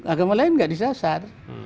agama lain tidak disasar